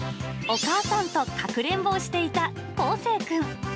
お母さんとかくれんぼをしていたこうせいくん。